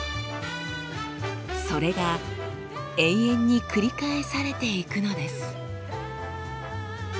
それが永遠に繰り返されていくのです。